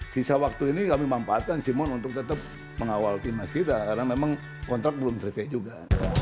sisa waktu ini kami manfaatkan simon untuk tetap mengawal timnas kita karena memang kontrak belum selesai juga